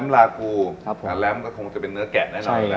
ล้ำลากูล้ำก็คงจะเป็นเนื้อแกะได้หน่อยแล้ว